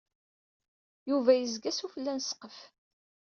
Yuba yezga s ufella n ssqef.